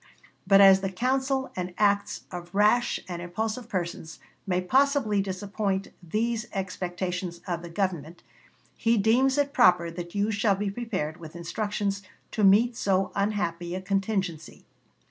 But as the counsel and acts of rash and impulsive persons may possibly disappoint these expectations of the Government, he deems it proper that you shall be prepared with instructions to meet so unhappy a contingency.